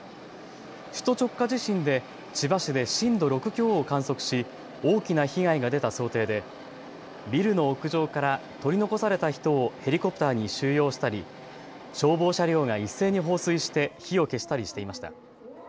首都直下地震で千葉市で震度６強を観測し大きな被害が出た想定でビルの屋上から取り残された人をヘリコプターに収容したり消防車両が一斉に放水して火を消したりしていました。